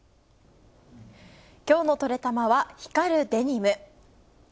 今日のトレたまは光るデニム。